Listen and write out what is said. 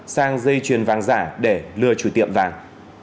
sang dây chuyền vàng giả để lừa chủ tiệm vàng